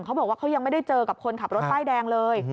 เขาบอกว่าเขายังไม่ได้เจอกับคนขับรถป้ายแดงเลย